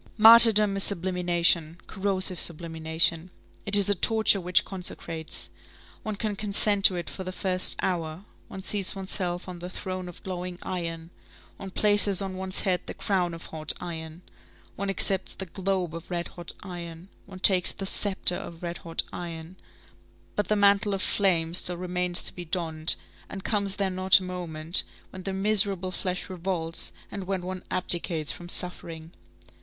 Martyrdom is sublimation, corrosive sublimation. It is a torture which consecrates. One can consent to it for the first hour; one seats oneself on the throne of glowing iron, one places on one's head the crown of hot iron, one accepts the globe of red hot iron, one takes the sceptre of red hot iron, but the mantle of flame still remains to be donned, and comes there not a moment when the miserable flesh revolts and when one abdicates from suffering?